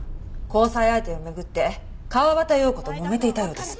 交際相手を巡って川端葉子ともめていたようです。